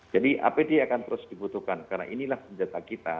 jadi apd akan terus dibutuhkan karena inilah senjata kita